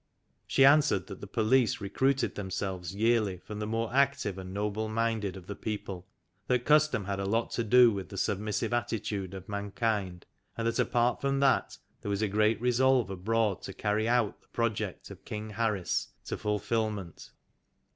She answered that the police recruited themselves yearly from the more active and noble minded of the people, that custom had a lot to do with the submissive attitude of mankind, and that apart from that, there was a great resolve abroad to carry out the project of King Harris to fulfilment.